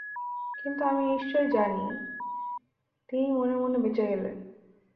কিন্তু, আমি নিশ্চয় জানি, তিনি মনে মনে বেঁচে গেলেন।